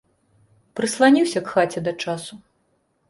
Прысланіўся к хаце да часу.